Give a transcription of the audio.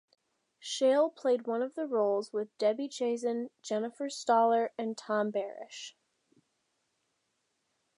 Shale played one of the roles with Debby Chazen, Jennifer Stoller, and Tom Berish.